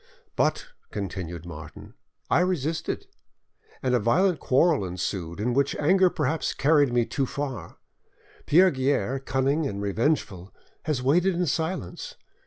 "But," continued Martin, "I resisted, and a violent quarrel ensued, in which anger perhaps carried me too far; Pierre Guerre, cunning and revengeful, has waited in silence.